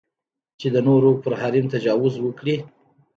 چې د نورو پر حریم تجاوز وکړي.